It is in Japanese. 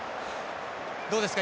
どうですか？